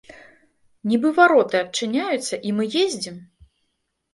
Нібы вароты адчыняюцца і мы ездзім!